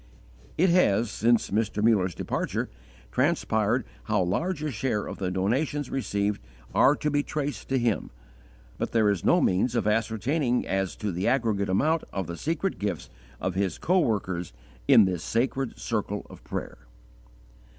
It has, since Mr. Muller's departure, transpired how large a share of the donations received are to be traced to him; but there is no means of ascertaining as to the aggregate amount of the secret gifts of his coworkers in this sacred circle of prayer.